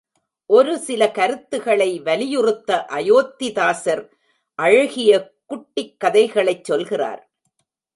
ஒரு சில கருத்துகளை வலியுறுத்த அயோத்திதாசர் அழகிய குட்டிக் கதைகளைச் சொல்கிறார்.